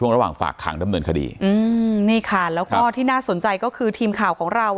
ระหว่างฝากขังดำเนินคดีอืมนี่ค่ะแล้วก็ที่น่าสนใจก็คือทีมข่าวของเรา